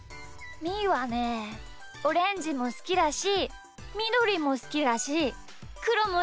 みーはねえオレンジもすきだしみどりもすきだしくろもしろもあおもみんなすき。